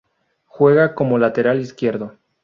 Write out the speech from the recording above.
Juega como Lateral Izquierdo.